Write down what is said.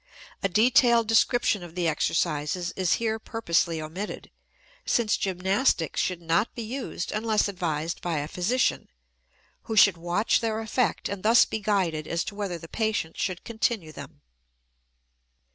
A detailed description of the exercises is here purposely omitted, since gymnastics should not be used unless advised by a physician, who should watch their effect and thus be guided as to whether the patient should continue them.